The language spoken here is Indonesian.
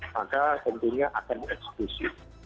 maka tentunya akan dieksekusi